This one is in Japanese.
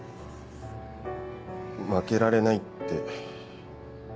負けられないって。